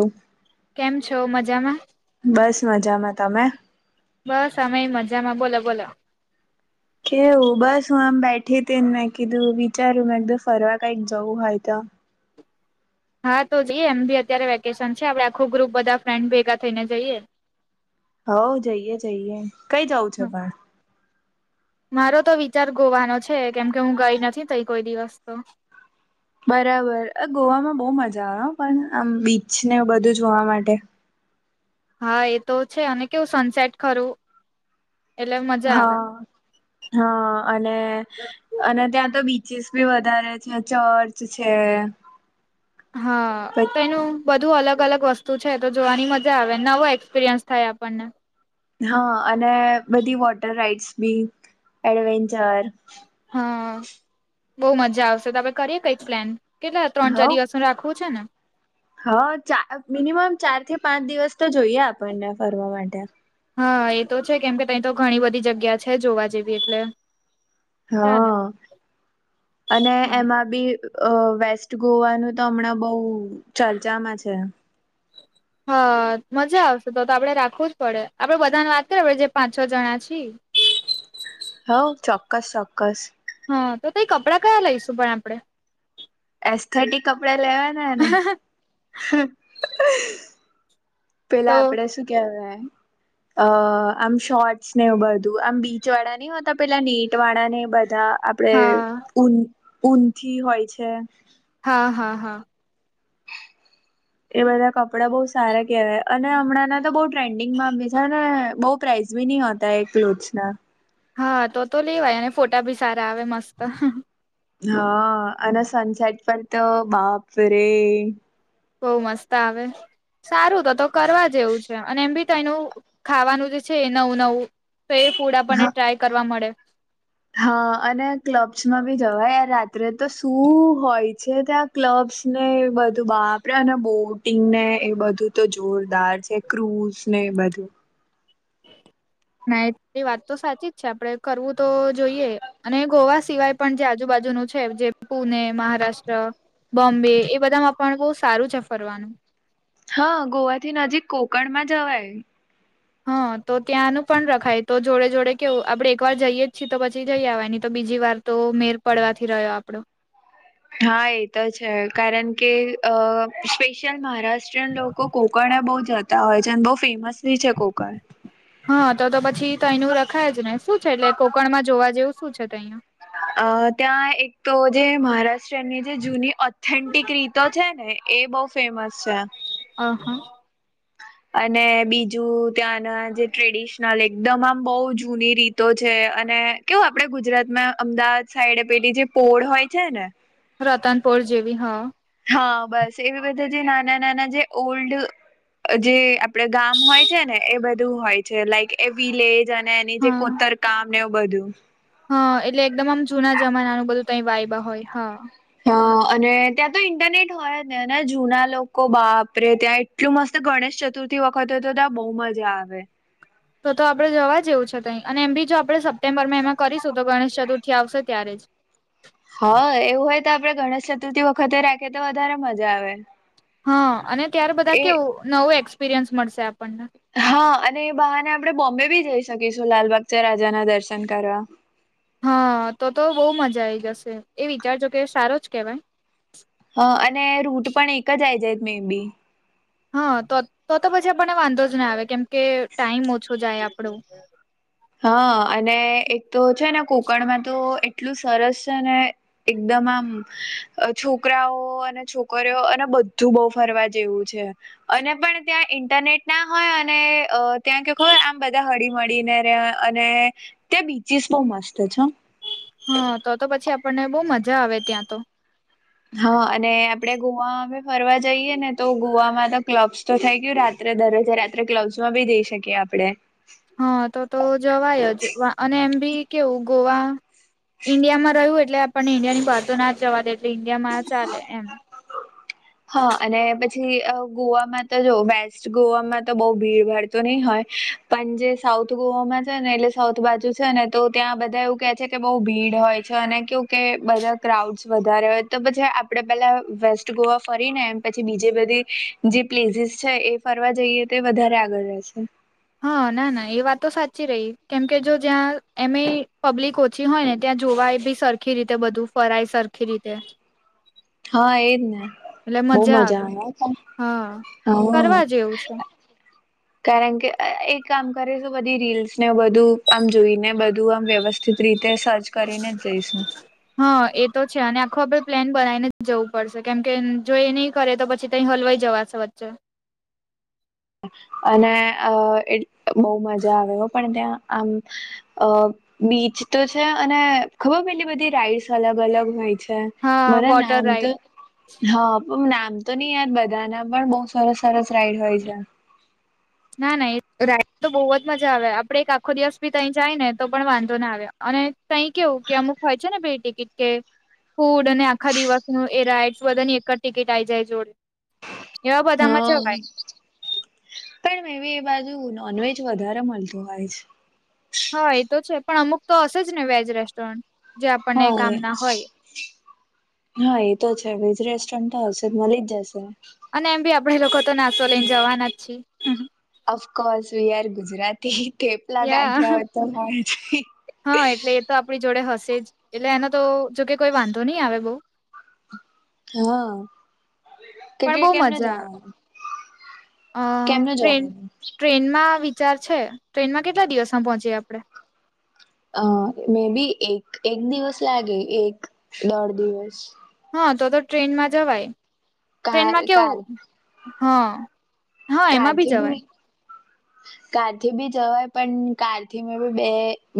હમ્મ [unintelligible] કેમ છો મજામાં બસ મજામાં તમે બસ અમે મજામાં બોલો બોલો કેવુ બસ હું આમ બેઠી હતીને મેં કીધું વિચારું મેં કે ફરવા કઈક જવું હોય તો હા તો જઈએ એમ ભી અત્યારે વેકેશન છે આપડે આખો ગ્રુપ બધા ફ્રેન્ડ ભેગા થઈને જઈએ હવ જઈએ જઈએ કઈ જઉ છે પણ મારો તો વિચાર ગોવાનો છે કેમ કે હું ગઈ નથી થઈ કોઈ દિવસ તો બરાબર અ ગોવામાં બહુ મજા આવે પણ આમ બીચ ને બધું જોવા માટે હા એ તો છે અને કેવું સન્સાઇટ ખરું એટલે મજા આવે હા હા અને અને ત્યાં તો બીચસ બી વધારે છે ચર્ચ છે હા પછ તો એનું બધુ અલગ અલગ વસ્તુ છે તો જોવાની મજા આવે નવો એક્સપિરિયન્સ થાય આપણને હા અને બધી વોટર રાઈડ્સ બી એડવેન્ચર હા બહુ મજા આવશે તમે કરીએ કઈક પ્લાન કેટલા હવ ત્રણ ચાર દિવસ રાખવું છે ને હા ચાર મિનિમમ ચાર થી પાંચ દિવસ તો જોઈએ આપને ફરવા માટે હા એ તો છે કેમ કે તયતો ઘણી બધી જગ્યા છે જોવા જેવી એટલે હ ચાલે અને હા એમાં બી અ વેસ્ટ ગોવાનું તો હમણાં બઉ ચર્ચામાં છે. [inaudible] હા મજા આવશે તો તો આપડે રાખવું જ પડે આપડે બધાને વાત કરીએ જે પાંચ છ જણા છીએ હઉ ચોક્કસ ચોક્કસ હા તો તે કપડાં કયા લઈશું પણ આપડે એસ્થેટિક કપડા લેવાના ને પેલા તો આપડે શું કેવાય અ આમ શોર્ટસ ને બધું આમ બીચ વાળા નહી હોતા પેલા નેટ વાળા ને બધા આપડે હા ઉન ઊનથી હોય છે. હા હા હા એ બધા કપડાં બઉ સારા કહેવાય અને હમણાંના તો બહુ ટ્રેન્ડિંગ માં બીજા ન બઉ પ્રાઇઝ ભી નહી હોતા [unintelligible] માં હા તો તો લેવાય અને ફોટા ભી સારા આવે મસ્ત હા અને સનસેટ પર તો બાપ રે બવ મસ્ત આવે સારું તો તો કરવા જેવું છે અને એમ બી તો એનું ખાવાનું જે છે એ નવું નવું તો એ ફૂડ હ આપણને ટ્રાય કરવા મળે હા અને ક્લબ્સમાં બી જવાય યાર રાત્રે તો શું હોય છે ત્યાં ક્લબ્સ ને એ બધું બાપરા અને બોટિંગ ને એ બધું તો જોરદાર છે. ક્રૂઝ ને એ બધુ ના [unintelligible] વાત તો સાચી જ છે આપડે કરવું તો જોઈએ અને ગોવા સિવાય પણ જે આજુબાજુનું છે જે પુને મહારાષ્ટ્ર બોમ્બે એ બધામાં પણ બહુ સારું છે ફરવાનું હા ગોવાથી નજીક કોકણમાં જવાય હા તો ત્યાંનું પણ રખાય તો જોડે જોડે કેવું આપડે એક વાર જઈએ જ છીએ તો પછી જઈ આવવાની તો બીજી વાર તો મેર પડવાથી રહ્યો આપડો હા એ તો છે કારણ કે અ સ્પેશિયલ મહારાત [unintelligible] લોકો કોકણ બહુ જતા અને બહુ ફેમસ બી છે કોકણ હા તો તો પછી તયનું રખાય જ ને શું છે એટલે કોકણમાં જોવા જેવું શું છે તો તયા અ ત્યાં એક તો જે મહારાષ્ટ્રની જે જૂની ઓથેન્ટિક રીતો છે ને એ બહુ ફેમસ છે. અ હ અને બીજું ત્યાંના જે ટ્રેડિશનલ એકદમ આમ બવ જૂની રીતો છે અને કેવ આપડે ગુજરાત માં અમદાવાદ સાઈડે પેલી જે પોડ હોય છે ને રતનપોર જેવી હ હા બસ એવી બધા જે નાના નાના જે ઓલ્ડ અ જે આપડે ગામ હોય છે ને એ બધું હોય છે લાઈક એ વિલેજ અને એની જે હા કોતરકામ ને એવું બધું હા એટલે એકદમ આમ જુના જમાનાનું બધું તઈ વાયબા હોય હા હ અને ત્યાં તો ઇન્ટરનેટ હોય નેને જૂના લોકો બાપરે ત્યાં એટલું મસ્ત ગણેશ ચતુર્થી વખતે તો ત્યાં બહુ મજા આવે તો તો આપડે જવા જેવું છે તાહિયા અને એમ બી જો આપણે સપ્ટેમ્બરમાં એમાં કરીશું તો ગણેશ ચતુર્થી આવશે ત્યારે જ હા એવું હોય તો આપડે ગણેશ ચતુર્થી વખતે રાખીએ તો વધારે મજા આવે. હા ત્યાર બધા એ કેવું નવું એક્સપિરિયન્સ મળશે આપડને હા અને એ બહાને આપડણે બોમ્બે બી જઈ શકીશું લાલબાગ ચા રાજાના દર્શન કરવા હા તો તો બહુ મજા આઈ જશે એ વિચારજો કે સારો જ કેહેવાય અને રૂટ પણ એક જઆઈ જાય છે મે બી હા તો તો તો પછી આપણને વાંધો જ ના આવે કેમકે ટાઈમ ઓછો જાય આપડો હા અને એક તો છે ને કોકણમાં તો એટલું સરસ છે ને એકદમ આમ છોકરાઓ અને છોકરીઓ અને બધું બહુ ફરવા જેવું છે અને પણ ત્યાં ઇન્ટરનેટ ના હોય અને ત્યાં કે ખબર આમ બધા હડી મડીને અને ત્યાં બીચિસ બહ મસ્ત છે. હા તો તો પછી આપણને બહુ મજા આવે ત્યાં તો હા અને આપડે ગોવા બી ફરવા જઈએ ને તો ગોવામાં તો ક્લબ્સ તો થઈ ગયું રાત્રે દરરોજા રાત્રે કલબ માં બી જઈ શકીએ આપડે હા તો તો જવાય જ અને એમ બી કેવું ગોવા ઈન્ડિયામાં રહ્યું એટલે આપણને ઈન્ડિયા ની બહારતો ના જ જવા દે એટલે ઈન્ડિયા માં ચાલે એમ હા અને પછી ગોવામાં તો જો વેસ્ટ ગોવામાં તો બહ ભીડ ભાડ તો ની હોય પન જે સાઉથ ગોવામાં છે ને એટલે સાઉથ બાજુ છે ને તો ત્યાં બધા એવું કે છે કે બહુ ભીડ હોય છે અને કેવુ કે બધા ક્રાઉડ્સ વધારે હોય તો પછી આપડે પેલાં વેસ્ટ ગોવા ફરીને એમ પછી બીજે બધી જે પ્લેસીસ છે એ ફરવા જઈએ તે વધારે આગળ રહેશે. હા ના ના એ વાત તો સાચી રહી કેમ કે જો જ્યાં એમે પબ્લિક જે હોય ને ત્યાં જોવાય બી સરખી રીતે બધું ફરાય સરખી રીતે હા એજ ને બહ મજા આવે હા હા કરવા જેવું છે કારણ કે એક કામ કરેલુ બધી રીલ્સને બધું આમ જોઈને બધું આમ વ્યવ- સ્થિત રીતે સર્ચ કરીનેજ જઈશું. હા એ તો છે અને આખું આપણે પ્લેન બનાવીને જ જવું પડશે કેમ કે જો એ નહી કરે તો પછી ત હલવાઈ જવા- સે વચ્ચે અને અ એ બહ મજા આવે પણ ત્યાં આમ અ બીચ તો છે અને ખબર પેલી બધી રાઈડ્સ અલગ અલગ હોય છે. હા મને વોટર નામ તો રાઈડ હા પણ નામ તો નહી યાદ બધાના પણ બહુ સરસ સરસ રાઈડ હોય છે. [inaudible] ના ના રાઇડ તો બોવ જ મજા આવે આપડે એક આખો દિવસ ભી થઇ જાય ને તો પણ વાંધો ના આવે અને તહી કેવું કે અમુક હોય છે ને બે ટિકિટ કે ફૂડ અને આખા દિવસનું એ રાઈડસ બધાની એક જ ટિકિટ આઈ જાય જોડે એવા હઅ. બધામાં જવાય પણ મે એ બાજુ નોનવેજ વધારે મળતું હોય છે હા એતો છે પણ અમુક તો હશે જ ને વેજ રેસ્ટોરન્ટ જે આપણને કામ હા. ના હોય હા એતો છે વેજ રેસ્ટોરન્ટ હશે મળી જ જશે અને એમ બી આપડે લોકો તો નાસ્તો લઈને જવાના જ છીએ of course we are Gujarati thepla યા ગાંઠિયાઓ તો હોય જ હા એટલે એ તો આપણી જોડે હશે જ એટલે એનો તો જોકે કોઈ વાંધો નહી આવે બઉ હા કેટ પણ બહુ કેમને મજા જવાનું અ કેમને ટ્રેન જવાનું ટ્રેનમાં વિચાર છે ટ્રેનમાં કેટલા દિવસમાં પહોંચીએ આપણે અ મે બી એક એક દિવસ લાગે એક દોઢ દિવસ હા તો તો ટ્રેનમાં જવાય કાર ટ્રેનમાં કાર કેવું હા હા એમાં કારથી બી નય જવાય [unintelligible] [inaudible] કારથી બી જવાય પણ કારથી બે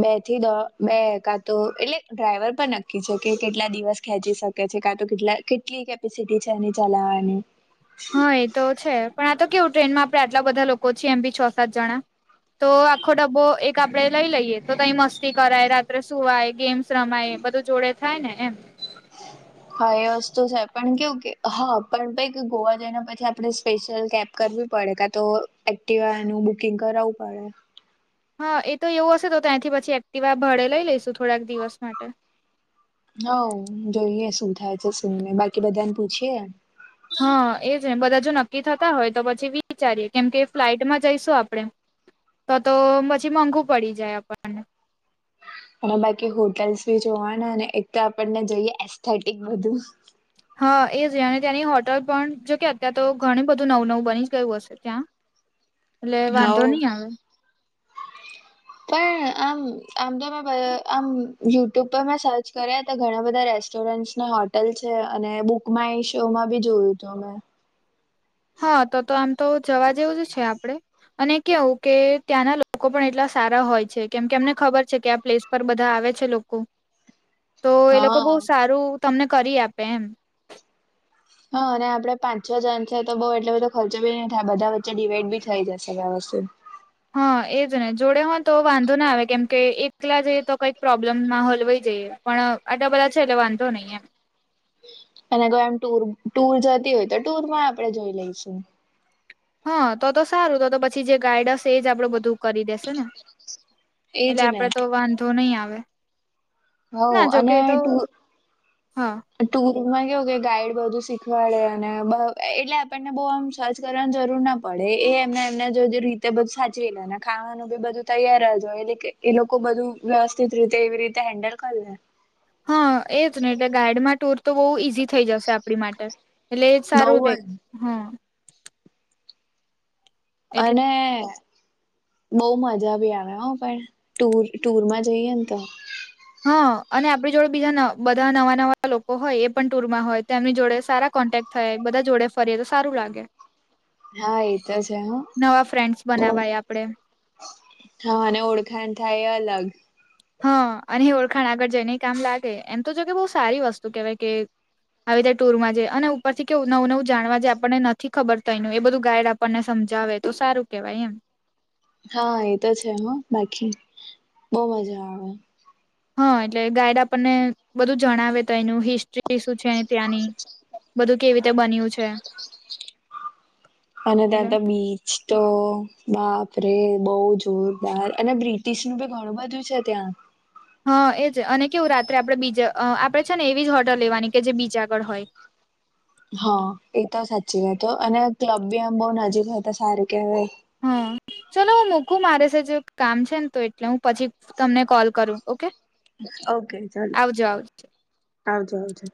બે થી દોઢ બે એકાદ તો એટલે ડ્રાઈવર પર નક્કી છે કે કેટલા દિવસ ખેંચી શકે છે કા તો કેટલા કેટલી કેપી- સિટી છે એની ચલાવાની હા એ તો છે પણ આ તો કેવું ટ્રેનમાં આપડે આટલા બધા લોકો છીએ એમ બી છ સાત જણા તો આખો ડબ્બો એક આપડે લઈ લઈએ તો તઈ મસ્તી કરાય રાત્રે સુવાય ગે- મ્સ રમાય બધું જોડે થાય ને એમ હા એ વસ્તુ છે પણ કેવું કે હા પણ પેગ ગોવા જઈને પછી આપણે સ્પેશિયલ કેબ કરવી પડે કાતો એક્ટવાનું બુકિંગ કરાવવું પડે હા એ તો એવું હશે તો ત્યાંથી પછી એક્ટિવા ભાળે લઈ લઈશું થોડાક દિવસ માટે હવ જોઈએ શું થાય છે શું ને બાકી બધાને પૂછીએ હા એજ બધા જો નક્કી થતા હોય પછી વિચારીએ કેમ કે ફ્લાઈટમાં જઈશું આપણે તો તો પછી મોંઘું પડી જાય આપણને અને બાકી હોટેલ્સ બી જોવાના ને એક તો આપણને જોઈએ એસ્થેટિક બધું હા એ જ અને ત્યાંની હોટલ પણ જો કે અત્યાર તો ઘણ બધું નવું નવું બની જ ગયું હશે ત્યાં [unintelligible] એટલે વાંધો હોવ નહી [unintelligible] આવે [inaudible] પણ આમ આમ તો મે આમ યુટ્યુબ પર મેં સર્ચ કર્યા તો ઘણા બધા રે- સ્ટોરન્ટને હોટલ છે અને બુક માય શો માં બી જોયું હતું અમે હા તો તો આમ તો જવા જેવું જ છે આપડે અને કેવું કે ત્યાંના લોકો પણ એટલા સારા હોય છે કેમ કે એમને ખબર છે કે આ પ્લેસ પર બધા આવે છે લોકો તો એ લોકો બહુ હા સારું તમને કરી આપે એમ હા અને આપડે પાંચ છ જણ છે તો બઉ એટલો બધો ખર્ચો બી નહી થાય બધા વચ્ચે ડિવાઈડ બી થઈ જશે હા ને જોડે હોય તો વાંધો ના આવે કેમકે એકલા જઈએ તો કંઈક પ્રોબ્લેમ મા હોય પણ આટલા બધા છે એટલે વાંધો નહીં એમ અને કો એમ ટુર જતી હોય તો ટુર માં આપડે લઈશું હા તો તો સારું તો તો પછી જે ગાઈડસ એ જ આપડું બધું કરી દેશે ને એજ એટલે ને. આપડે તો વાંધો નહી આવે હોવ ના જો અને કે તો ટુર હા ટુરમાં કેવું કે ગાઈડ બધું શીખવાડે અને એટલે આપણને બહ આમ સર્ચ કરવાની જરૂર નાડે પડે એમને એમને રીતે બધું સાચવી લને ખાવાનું બી બધું તૈયારજ એટલે કે એ લોકો બધું વ્યવસ્થિત રીતે એવી રીતે હેન્ડલ કરી લે હા એજ ને એટલે ગાઈડમાં ટૂર તો બહુ ઈઝી થઈ જશે આપણી માટે એટલે એ બઉ સારું છે જ હમ એટલે અને બઉ મજા ભી આવે પણ ટુર ટુર માં જઈએ ને તો હા અને આપણી જોડે બીજા બધા નવા નવા લોકો હોય એ પણ ટુરમાં હોય તો એમની જોડે સારા કોન્ટેક્ટ થાય બધા જોડે ફરીએ તો સારું લાગે હા એ તો છે હ નવા ફ્રેન્ડસ બનાવાય આપડે હા અને ઓળખાણ થાય એ અલગ હા અને ઓળખાણ આગળ જઈને કામ લાગે એમ તો જો કે બહ સારી વસ્તુ કેહેવાય કે આવી રીતે ટુરમાં જે અને ઉપર થી કેવું નવું નવું જાણવા જે આપણને નથી ખબર તયનુ એ બધું ગાઈડ આપણને સમજાવે તો સારું કેહેવાય એમ હા એતો છે હો બાકી બહુ મજા આવે હા એટલે ગાઈડ આપણને બધું જણાવે તો એનું હિસ્ટ્રી શું છે ત્યાંની બધું કેવી રીતે બન્યું છે અને ત્યાં એટલે તો બી સ્તો બાપરે બહુ જોરદાર અને બ્રિટિશ નું બી ઘણું બધું છે ત્યાં હા એજ અને કેવું રાત્રે આપડણે બીજ આપણે છે ને એવી જ હોટલ લેવાની કે જે બીચ આગળ હોય હા એ તો સાચી વાત હો અને ક્લબ બી આમ બોવ નજીક હોય તો સારું કેવાય હા ચલો હું મૂકું મારે છે જો કામ છે ને તો એટલે હું પછી તમને કોલ કરું ઓકે ઓકે ચાલો આવજો આવજો હા ચાલો